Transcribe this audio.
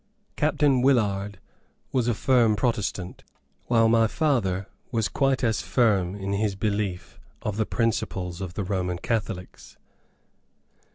Capt. Willard was a firm Protestant, while my father was quite as firm in his belief of the principles of the Roman Catholics.